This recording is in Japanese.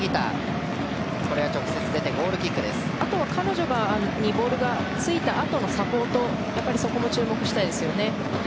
あとは彼女にボールがついたあとのサポートも注目したいですよね。